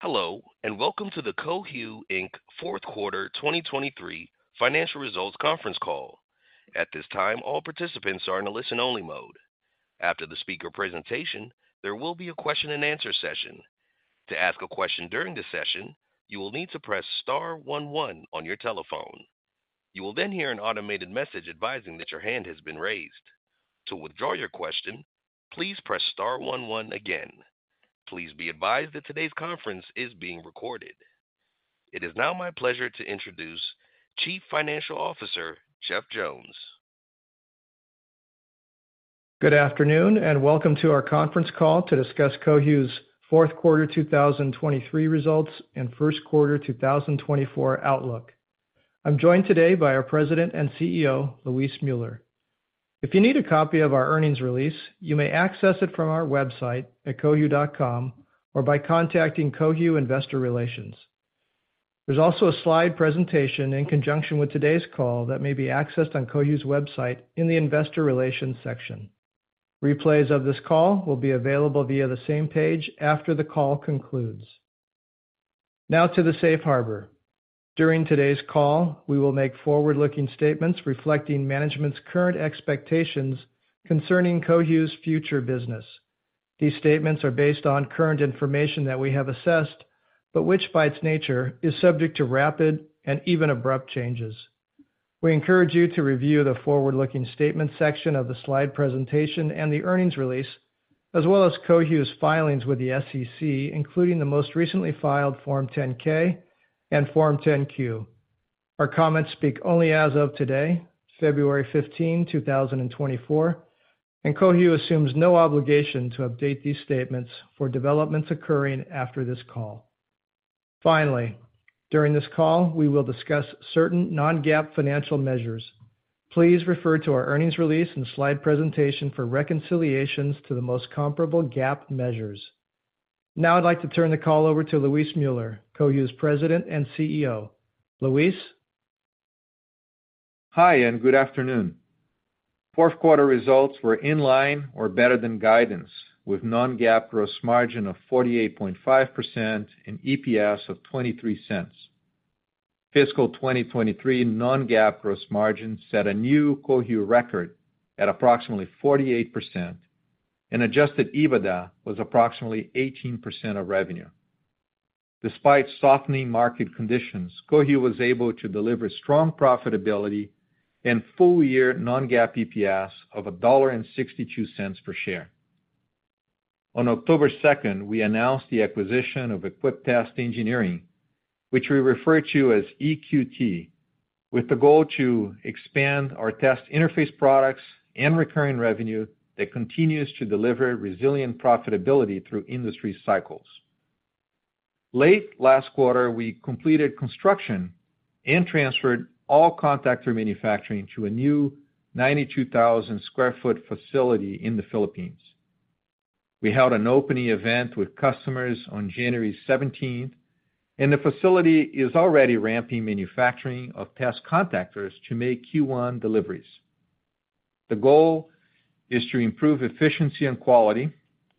Hello, and welcome to the Cohu, Inc fourth quarter 2023 financial results conference call. At this time, all participants are in a listen-only mode. After the speaker presentation, there will be a question-and-answer session. To ask a question during the session, you will need to press star one one on your telephone. You will then hear an automated message advising that your hand has been raised. To withdraw your question, please press star one one again. Please be advised that today's conference is being recorded. It is now my pleasure to introduce Chief Financial Officer, Jeff Jones. Good afternoon, and welcome to our conference call to discuss Cohu's fourth quarter 2023 results and first quarter 2024 outlook. I'm joined today by our President and CEO, Luis Müller. If you need a copy of our earnings release, you may access it from our website at cohu.com or by contacting Cohu investor relations. There's also a slide presentation in conjunction with today's call that may be accessed on Cohu's website in the investor relations section. Replays of this call will be available via the same page after the call concludes. Now to the Safe Harbor. During today's call, we will make forward-looking statements reflecting management's current expectations concerning Cohu's future business. These statements are based on current information that we have assessed, but which, by its nature, is subject to rapid and even abrupt changes. We encourage you to review the forward-looking statement section of the slide presentation and the earnings release, as well as Cohu's filings with the SEC, including the most recently filed Form 10-K and Form 10-Q. Our comments speak only as of today, February 15, 2024, and Cohu assumes no obligation to update these statements for developments occurring after this call. Finally, during this call, we will discuss certain non-GAAP financial measures. Please refer to our earnings release and slide presentation for reconciliations to the most comparable GAAP measures. Now I'd like to turn the call over to Luis Müller, Cohu's President and CEO. Luis? Hi, and good afternoon. Fourth quarter results were in line or better than guidance, with non-GAAP gross margin of 48.5% and EPS of $0.23. Fiscal 2023 non-GAAP gross margin set a new Cohu record at approximately 48%, and adjusted EBITDA was approximately 18% of revenue. Despite softening market conditions, Cohu was able to deliver strong profitability and full-year non-GAAP EPS of $1.62 per share. On October 2nd, we announced the acquisition of Equiptest Engineering, which we refer to as EQT, with the goal to expand our test interface products and recurring revenue that continues to deliver resilient profitability through industry cycles. Late last quarter, we completed construction and transferred all contactor manufacturing to a new 92,000 sq ft facility in the Philippines. We held an opening event with customers on January 17, and the facility is already ramping manufacturing of test contactors to make Q1 deliveries. The goal is to improve efficiency and quality,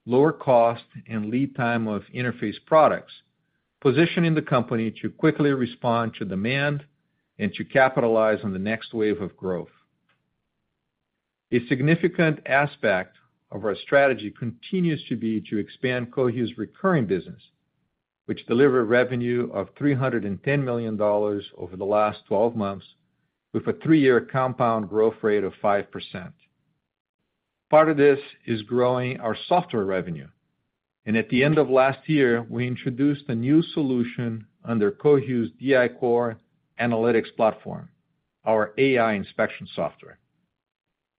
lower cost, and lead time of interface products, positioning the company to quickly respond to demand and to capitalize on the next wave of growth. A significant aspect of our strategy continues to be to expand Cohu's recurring business, which delivered revenue of $310 million over the last 12 months, with a three-year compound growth rate of 5%. Part of this is growing our software revenue, and at the end of last year, we introduced a new solution under Cohu's DI-Core analytics platform, our AI inspection software.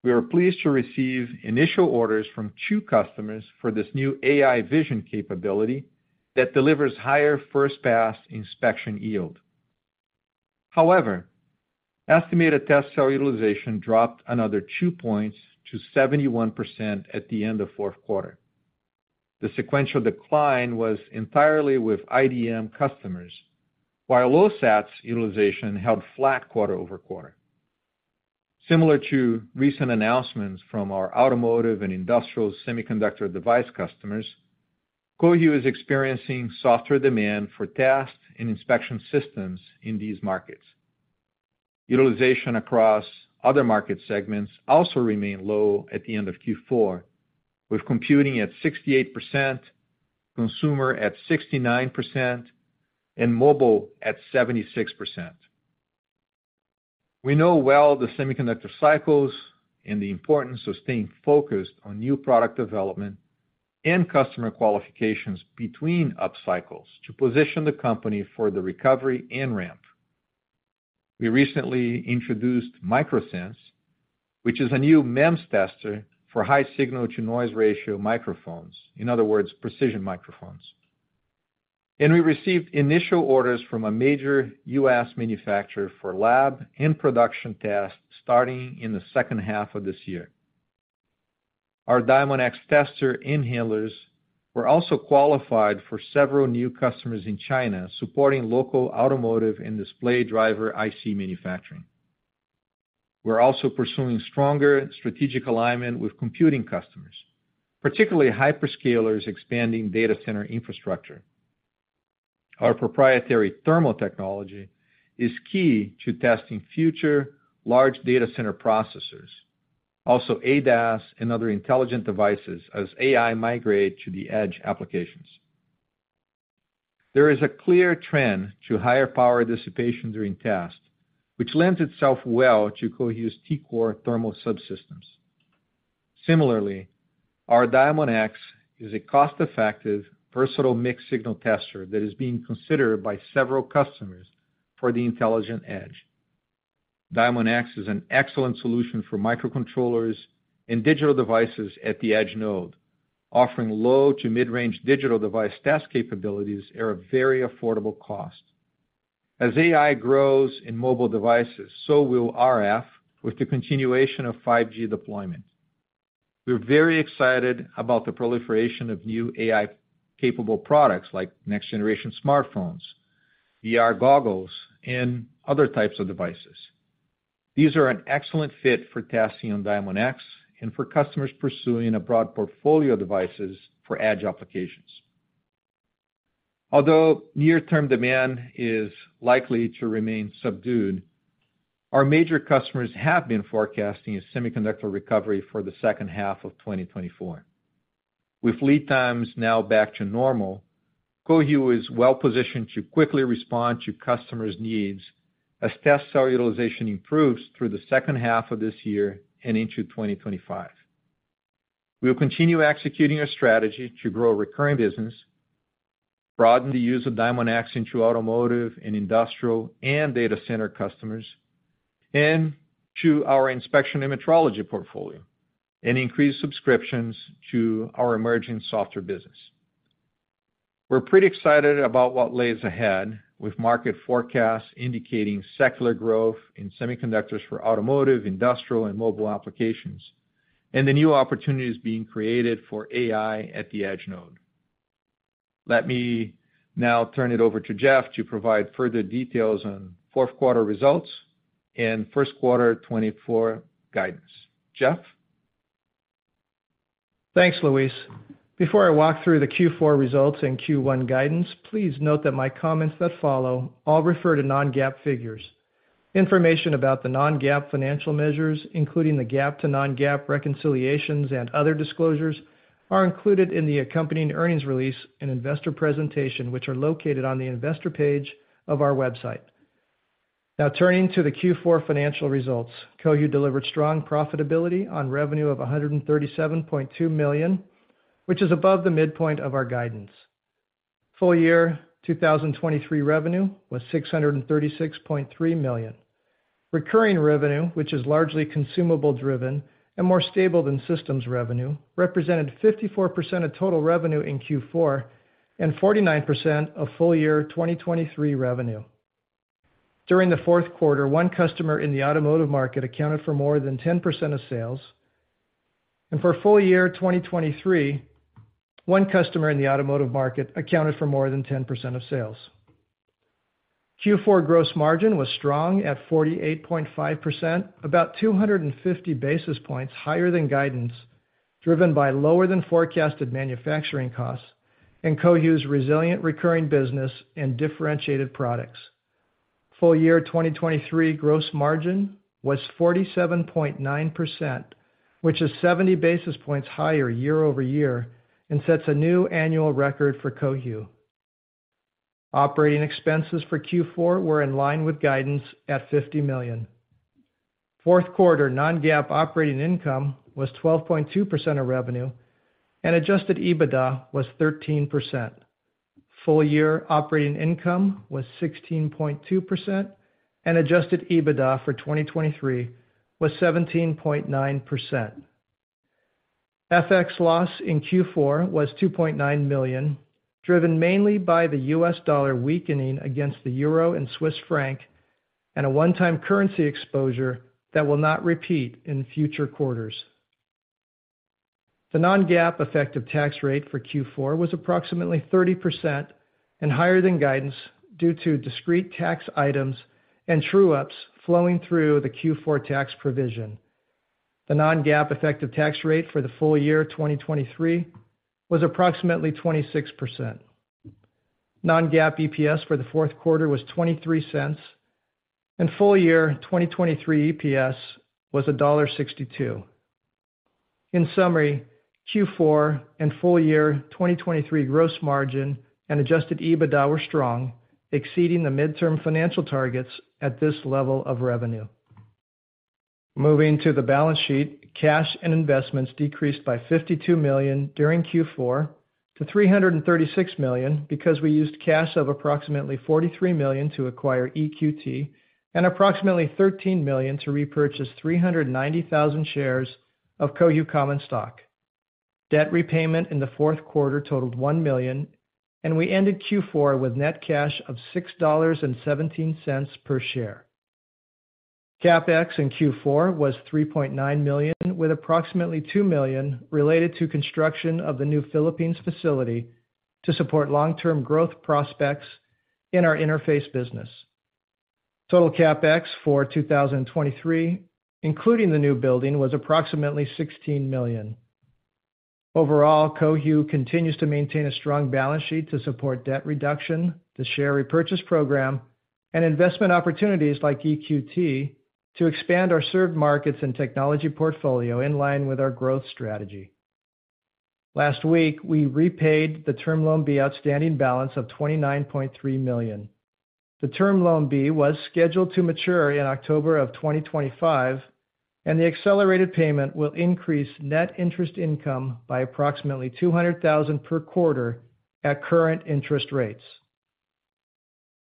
We are pleased to receive initial orders from two customers for this new AI vision capability that delivers higher first-pass inspection yield. However, estimated test cell utilization dropped another 2 points to 71% at the end of fourth quarter. The sequential decline was entirely with IDM customers, while OSAT's utilization held flat quarter-over-quarter. Similar to recent announcements from our automotive and industrial semiconductor device customers, Cohu is experiencing softer demand for test and inspection systems in these markets. Utilization across other market segments also remained low at the end of Q4, with computing at 68%, consumer at 69%, and mobile at 76%. We know well the semiconductor cycles and the importance of staying focused on new product development and customer qualifications between upcycles to position the company for the recovery and ramp. We recently introduced MicroSense, which is a new MEMS tester for high signal-to-noise ratio microphones. In other words, precision microphones. We received initial orders from a major U.S. manufacturer for lab and production tests starting in the second half of this year. Our Diamondx tester and handlers were also qualified for several new customers in China, supporting local automotive and display driver IC manufacturing. We're also pursuing stronger strategic alignment with computing customers, particularly hyperscalers expanding data center infrastructure. Our proprietary thermal technology is key to testing future large data center processors, also ADAS and other intelligent devices, as AI migrate to the edge applications. There is a clear trend to higher power dissipation during test, which lends itself well to Cohu's T-Core thermal subsystems. Similarly, our Diamondx is a cost-effective, versatile mixed signal tester that is being considered by several customers for the intelligent edge. Diamondx is an excellent solution for microcontrollers and digital devices at the edge node, offering low to mid-range digital device test capabilities at a very affordable cost. As AI grows in mobile devices, so will RF, with the continuation of 5G deployment. We're very excited about the proliferation of new AI-capable products like next-generation smartphones, VR goggles, and other types of devices. These are an excellent fit for testing on Diamondx and for customers pursuing a broad portfolio of devices for edge applications. Although near-term demand is likely to remain subdued, our major customers have been forecasting a semiconductor recovery for the second half of 2024. With lead times now back to normal, Cohu is well positioned to quickly respond to customers' needs as test cell utilization improves through the second half of this year and into 2025. We'll continue executing our strategy to grow recurring business, broaden the use of Diamondx into automotive and industrial and data center customers, and to our inspection metrology portfolio, and increase subscriptions to our emerging software business. We're pretty excited about what lies ahead, with market forecasts indicating secular growth in semiconductors for automotive, industrial, and mobile applications, and the new opportunities being created for AI at the edge node. Let me now turn it over to Jeff to provide further details on fourth quarter results and first quarter 2024 guidance. Jeff? Thanks, Luis. Before I walk through the Q4 results and Q1 guidance, please note that my comments that follow all refer to non-GAAP figures. Information about the non-GAAP financial measures, including the GAAP to non-GAAP reconciliations and other disclosures, are included in the accompanying earnings release and investor presentation, which are located on the investor page of our website. Now, turning to the Q4 financial results. Cohu delivered strong profitability on revenue of $137.2 million, which is above the midpoint of our guidance. Full year 2023 revenue was $636.3 million. Recurring revenue, which is largely consumable-driven and more stable than systems revenue, represented 54% of total revenue in Q4 and 49% of full year 2023 revenue. During the fourth quarter, one customer in the automotive market accounted for more than 10% of sales, and for full year 2023, one customer in the automotive market accounted for more than 10% of sales. Q4 gross margin was strong at 48.5%, about 250 basis points higher than guidance, driven by lower than forecasted manufacturing costs and Cohu's resilient recurring business and differentiated products. Full year 2023 gross margin was 47.9%, which is 70 basis points higher year-over-year and sets a new annual record for Cohu. Operating expenses for Q4 were in line with guidance at $50 million. Fourth quarter non-GAAP operating income was 12.2% of revenue, and adjusted EBITDA was 13%. Full year operating income was 16.2%, and adjusted EBITDA for 2023 was 17.9%. FX loss in Q4 was $2.9 million, driven mainly by the U.S. dollar weakening against the euro and Swiss franc, and a one-time currency exposure that will not repeat in future quarters. The non-GAAP effective tax rate for Q4 was approximately 30% and higher than guidance, due to discrete tax items and true-ups flowing through the Q4 tax provision. The non-GAAP effective tax rate for the full year 2023 was approximately 26%. Non-GAAP EPS for the fourth quarter was $0.23, and full year 2023 EPS was $1.62. In summary, Q4 and full year 2023 gross margin and adjusted EBITDA were strong, exceeding the midterm financial targets at this level of revenue. Moving to the balance sheet, cash and investments decreased by $52 million during Q4 to $336 million because we used cash of approximately $43 million to acquire EQT and approximately $13 million to repurchase 390,000 shares of Cohu common stock. Debt repayment in the fourth quarter totaled $1 million, and we ended Q4 with net cash of $6.17 per share. CapEx in Q4 was $3.9 million, with approximately $2 million related to construction of the new Philippines facility to support long-term growth prospects in our interface business. Total CapEx for 2023, including the new building, was approximately $16 million. Overall, Cohu continues to maintain a strong balance sheet to support debt reduction, the share repurchase program, and investment opportunities like EQT, to expand our served markets and technology portfolio in line with our growth strategy. Last week, we repaid the Term Loan B outstanding balance of $29.3 million. The Term Loan B was scheduled to mature in October 2025, and the accelerated payment will increase net interest income by approximately $200,000 per quarter at current interest rates.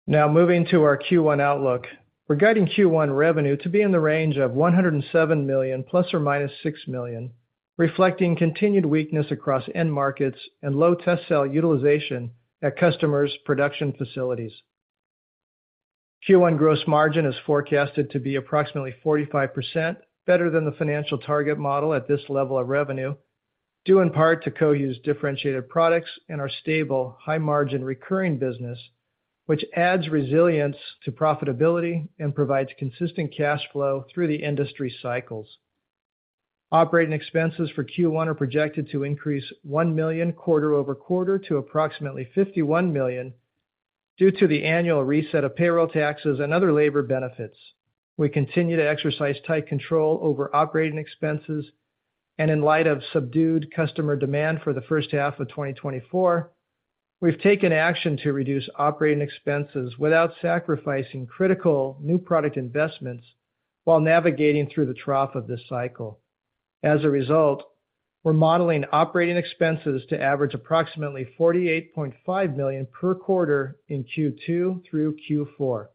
Now, moving to our Q1 outlook. We're guiding Q1 revenue to be in the range of $107 million ± $6 million, reflecting continued weakness across end markets and low test cell utilization at customers' production facilities. Q1 gross margin is forecasted to be approximately 45%, better than the financial target model at this level of revenue, due in part to Cohu's differentiated products and our stable, high-margin recurring business, which adds resilience to profitability and provides consistent cash flow through the industry cycles. Operating expenses for Q1 are projected to increase $1 million quarter-over-quarter to approximately $51 million due to the annual reset of payroll taxes and other labor benefits. We continue to exercise tight control over operating expenses, and in light of subdued customer demand for the first half of 2024, we've taken action to reduce operating expenses without sacrificing critical new product investments while navigating through the trough of this cycle. As a result, we're modeling operating expenses to average approximately $48.5 million per quarter in Q2 through Q4.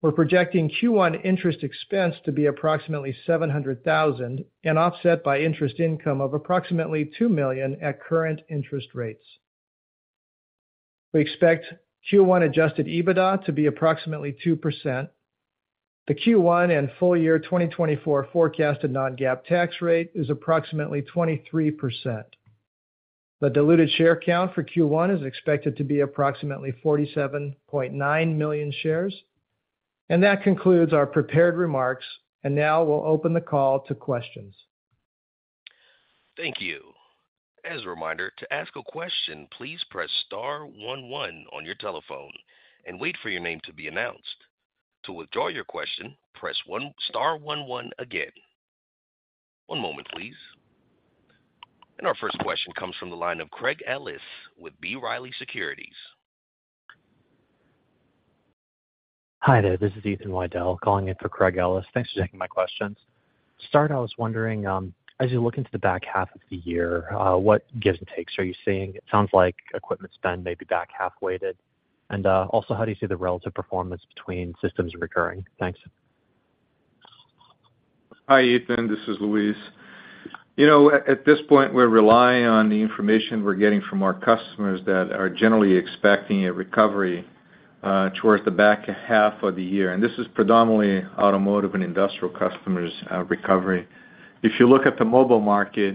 We're projecting Q1 interest expense to be approximately $700,000, and offset by interest income of approximately $2 million at current interest rates. We expect Q1 adjusted EBITDA to be approximately 2%. The Q1 and full year 2024 forecasted non-GAAP tax rate is approximately 23%. The diluted share count for Q1 is expected to be approximately 47.9 million shares. And that concludes our prepared remarks. And now we'll open the call to questions. Thank you. As a reminder, to ask a question, please press star one one on your telephone and wait for your name to be announced. To withdraw your question, press one, star one one again. One moment, please. Our first question comes from the line of Craig Ellis with B. Riley Securities. Hi there, this is Ethan Widell calling in for Craig Ellis. Thanks for taking my questions. To start, I was wondering, as you look into the back half of the year, what gives and takes are you seeing? It sounds like equipment spend may be back half weighted. And, also, how do you see the relative performance between systems recurring? Thanks. Hi, Ethan, this is Luis. You know, at this point, we're relying on the information we're getting from our customers that are generally expecting a recovery towards the back half of the year, and this is predominantly automotive and industrial customers recovery. If you look at the mobile market,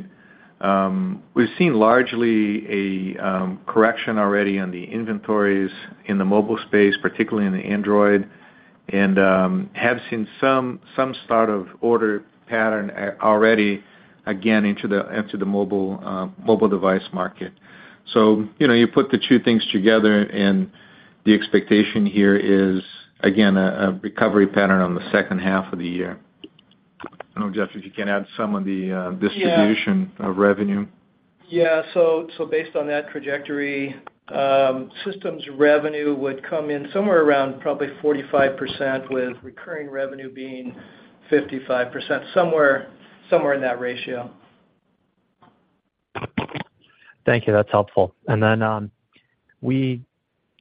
we've seen largely a correction already on the inventories in the mobile space, particularly in the Android, and have seen some start of order pattern already again into the mobile device market. So you know, you put the two things together, and the expectation here is, again, a recovery pattern on the second half of the year. I don't know, Jeff, if you can add some on the distribution. Yeah. Of revenue. Yeah. So based on that trajectory, systems revenue would come in somewhere around probably 45%, with recurring revenue being 55%, somewhere, somewhere in that ratio. Thank you. That's helpful. And then, we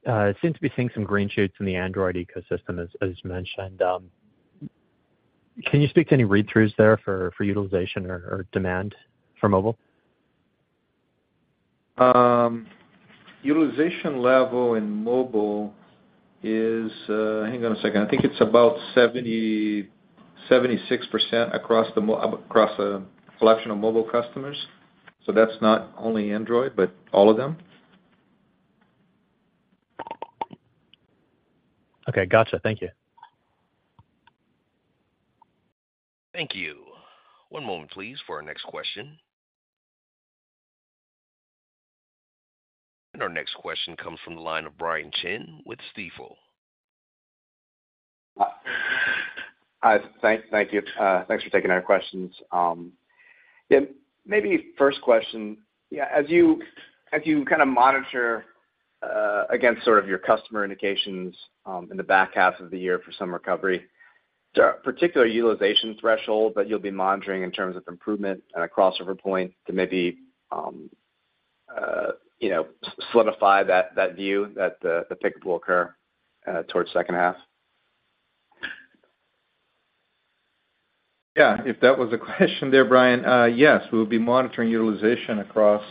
seem to be seeing some green shoots in the Android ecosystem, as mentioned. Can you speak to any read-throughs there for utilization or demand for mobile? Utilization level in mobile is, hang on a second. I think it's about 70%-76% across a collection of mobile customers, so that's not only Android, but all of them. Okay, gotcha. Thank you. Thank you. One moment, please, for our next question. Our next question comes from the line of Brian Chin with Stifel. Hi, thank you. Thanks for taking our questions. Maybe first question, as you kind of monitor against sort of your customer indications in the back half of the year for some recovery, is there a particular utilization threshold that you'll be monitoring in terms of improvement and a crossover point to maybe you know solidify that view that the pickup will occur towards second half? Yeah, if that was the question there, Brian, yes, we'll be monitoring utilization across.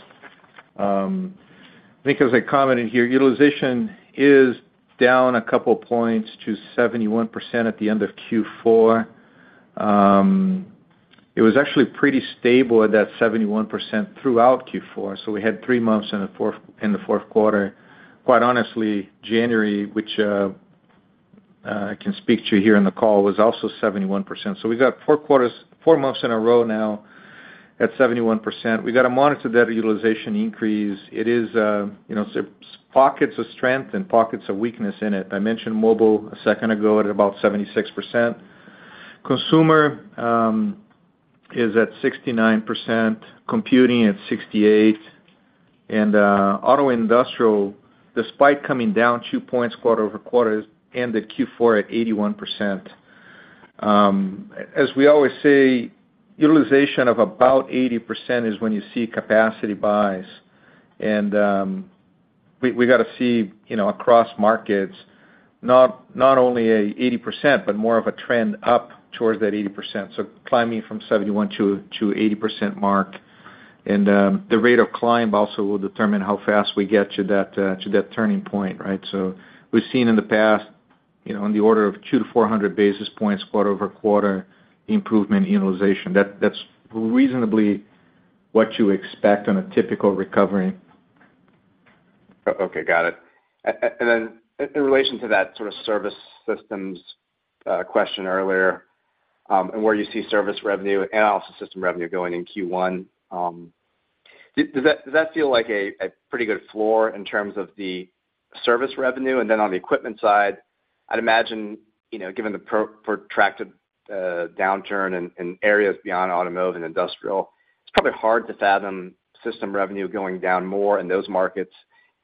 I think as I commented here, utilization is down a couple points to 71% at the end of Q4. It was actually pretty stable at that 71% throughout Q4, so we had three months in the fourth, in the fourth quarter. Quite honestly, January, which I can speak to you here on the call, was also 71%. So we've got four quarters, four months in a row now at 71%. We've got to monitor that utilization increase. It is, you know, pockets of strength and pockets of weakness in it. I mentioned mobile a second ago at about 76%. Consumer is at 69%, computing at 68%, and auto industrial, despite coming down two points quarter-over-quarter, ended Q4 at 81%. As we always say, utilization of about 80% is when you see capacity buys. And we got to see, you know, across markets, not only an 80%, but more of a trend up towards that 80%, so climbing from 71% to 80% mark. And the rate of climb also will determine how fast we get to that turning point, right? So we've seen in the past, you know, on the order of 200-400 basis points, quarter-over-quarter improvement in utilization. That's reasonably what you expect on a typical recovery. Okay, got it. And then in relation to that sort of service systems question earlier, and where you see service revenue and also system revenue going in Q1, does that, does that feel like a pretty good floor in terms of the service revenue? And then on the equipment side, I'd imagine, you know, given the protracted downturn in areas beyond automotive and industrial, it's probably hard to fathom system revenue going down more in those markets.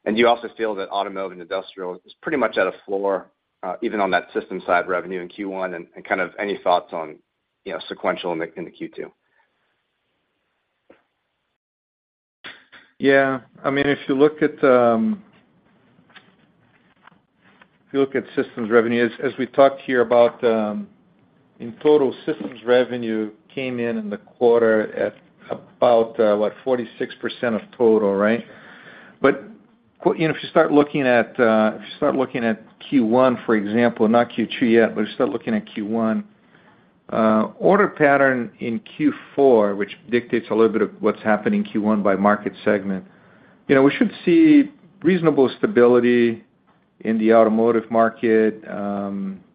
And do you also feel that automotive and industrial is pretty much at a floor, even on that system side revenue in Q1, and kind of any thoughts on, you know, sequential in the Q2? Yeah. I mean, if you look at systems revenue, as we talked here about, in total systems revenue came in in the quarter at about what? 46% of total, right? But you know, if you start looking at Q1, for example, not Q2 yet, but if you start looking at Q1, order pattern in Q4, which dictates a little bit of what's happening in Q1 by market segment, you know, we should see reasonable stability in the automotive market,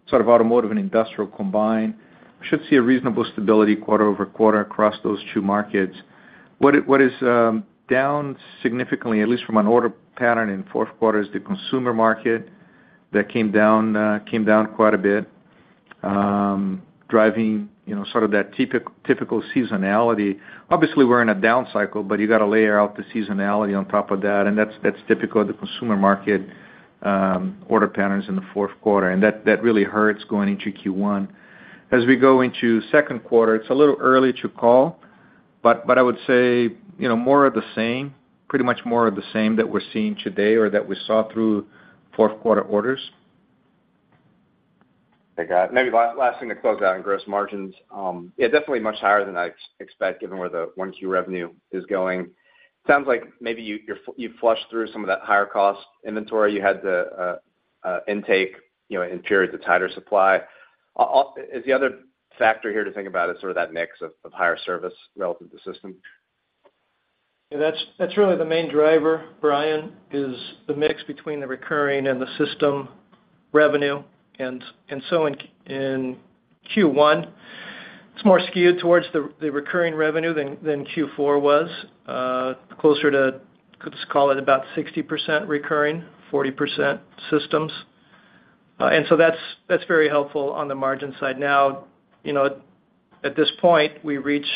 sort of automotive and industrial combined. We should see a reasonable stability quarter-over-quarter across those two markets. What is down significantly, at least from an order pattern in fourth quarter, is the consumer market. That came down quite a bit, driving, you know, sort of that typical seasonality. Obviously, we're in a down cycle, but you got to layer out the seasonality on top of that, and that's typical of the consumer market order patterns in the fourth quarter, and that really hurts going into Q1. As we go into second quarter, it's a little early to call, but I would say, you know, more of the same, pretty much more of the same that we're seeing today or that we saw through fourth quarter orders. I got it. Maybe last thing to close out on gross margins. Yeah, definitely much higher than I expect, given where the 1Q revenue is going. Sounds like maybe you flushed through some of that higher cost inventory. You had the intake, you know, in periods of tighter supply. Is the other factor here to think about sort of that mix of higher service relative to system? Yeah, that's, that's really the main driver, Brian, is the mix between the recurring and the system revenue. And so in Q1, it's more skewed towards the recurring revenue than Q4 was, closer to, let's call it, about 60% recurring, 40% systems. And so that's, that's very helpful on the margin side. Now, you know, at this point, we reach,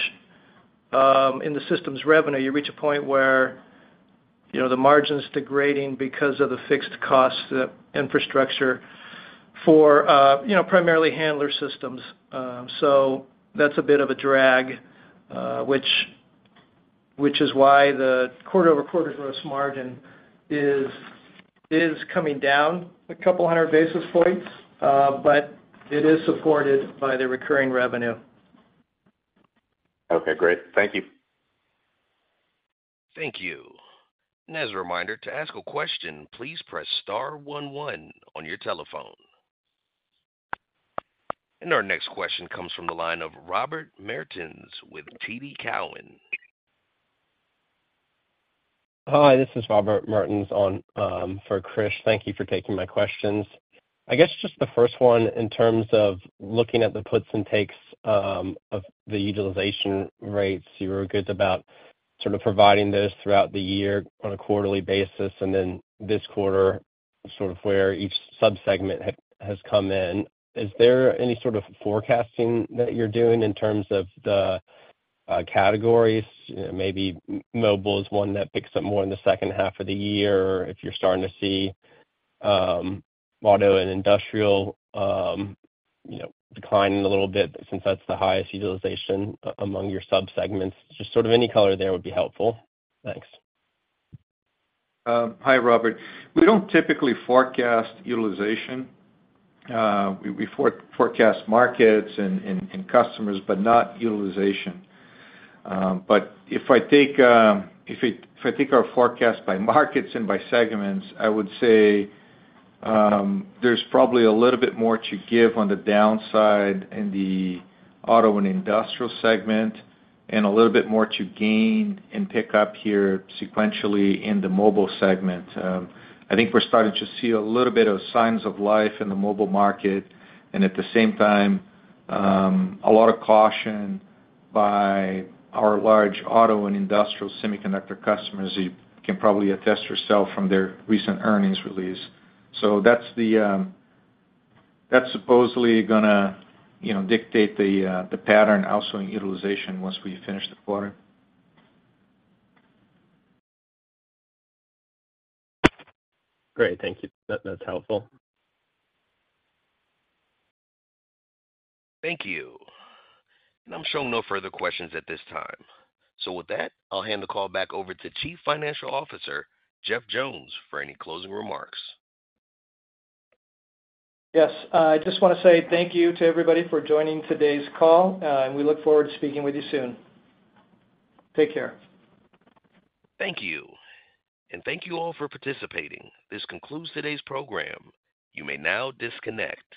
in the systems revenue, you reach a point where, you know, the margin's degrading because of the fixed cost, the infrastructure for, you know, primarily handler systems. So that's a bit of a drag, which is why the quarter-over-quarter gross margin is coming down a couple hundred basis points, but it is supported by the recurring revenue. Okay, great. Thank you. Thank you. And as a reminder, to ask a question, please press star one one on your telephone. And our next question comes from the line of Robert Mertens with TD Cowen. Hi, this is Robert Mertens on for Chris. Thank you for taking my questions. I guess just the first one, in terms of looking at the puts and takes of the utilization rates, you were good about sort of providing those throughout the year on a quarterly basis, and then this quarter, sort of where each subsegment has come in. Is there any sort of forecasting that you're doing in terms of the categories? You know, maybe mobile is one that picks up more in the second half of the year, or if you're starting to see auto and industrial, you know, declining a little bit, since that's the highest utilization among your subsegments. Just sort of any color there would be helpful. Thanks. Hi, Robert. We don't typically forecast utilization. We forecast markets and customers, but not utilization. But if I take our forecast by markets and by segments, I would say, there's probably a little bit more to give on the downside in the auto and industrial segment and a little bit more to gain and pick up here sequentially in the mobile segment. I think we're starting to see a little bit of signs of life in the mobile market, and at the same time, a lot of caution by our large auto and industrial semiconductor customers. You can probably attest yourself from their recent earnings release. So that's supposedly gonna, you know, dictate the pattern also in utilization once we finish the quarter. Great. Thank you. That, that's helpful. Thank you. And I'm showing no further questions at this time. So with that, I'll hand the call back over to Chief Financial Officer, Jeff Jones, for any closing remarks. Yes, I just want to say thank you to everybody for joining today's call, and we look forward to speaking with you soon. Take care. Thank you, and thank you all for participating. This concludes today's program. You may now disconnect.